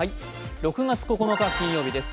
６月９日金曜日です。